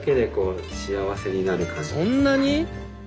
そんなに？